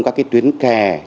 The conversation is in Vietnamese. các cái tuyến kè